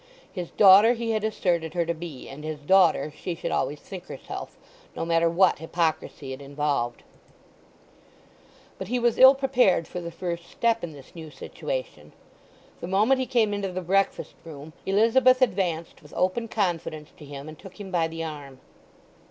His daughter he had asserted her to be, and his daughter she should always think herself, no matter what hyprocrisy it involved. But he was ill prepared for the first step in this new situation. The moment he came into the breakfast room Elizabeth advanced with open confidence to him and took him by the arm.